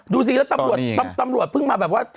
ดูสิแล้วตำรวจเพิ่งมาแบบว่า